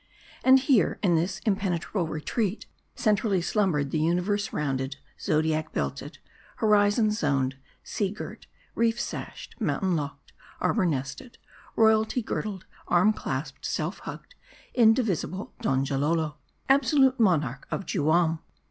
279 And here, in this impenetrable retreat, centrally slum bered the universe rounded, zodiac belted, horizon zoned, sea girt, reef sashed, mountain locked, arbor nested, royalty gir dled, arm clasped, self hugged, indivisible Donjalolo, absolute monarch of Juam